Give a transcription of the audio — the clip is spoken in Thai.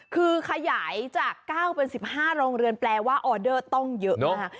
คือขยายจาก๙เป็น๑๕โรงเรือนแปลว่าออเดอร์ต้องเยอะมาก